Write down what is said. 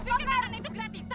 fixin makan itu gratisan